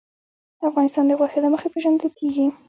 افغانستان د غوښې له مخې پېژندل کېږي.